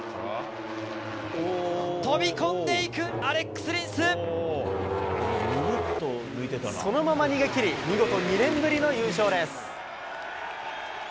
飛び込んでいくアレックス・そのまま逃げ切り、見事２年ぶりの優勝です。